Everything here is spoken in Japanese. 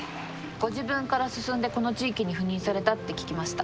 ご自分から進んでこの地域に赴任されたって聞きました。